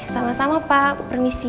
sama sama pak permisi